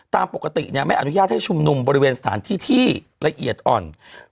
ตามปกติไม่อนุญาตให้ชุมนุมบริเวณสถานที่ที่ละเอียดอ่อน